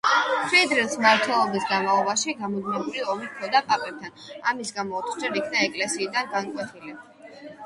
ფრიდრიხს მმართველობის განმავლობაში გამუდმებული ომი ჰქონდა პაპებთან, ამის გამო ოთხჯერ იქნა ეკლესიიდან განკვეთილი.